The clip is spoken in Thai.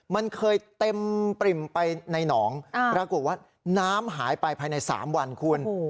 มันเคยเต็มปริ่มไปในหนองปรากฏว่าน้ำหายไปภายใน๓วันคุณ